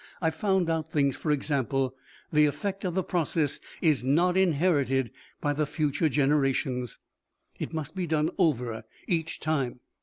I found out things for example, the effect of the process is not inherited by the future generations. It must be done over each time.